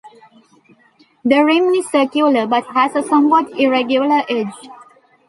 The rim is circular but has a somewhat irregular edge.